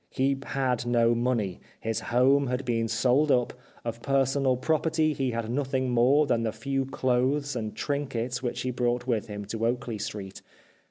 He had no money ; his home had been sold up ; of personal property he had nothing more than the few clothes and trinkets which he brought with him to Oakley Street.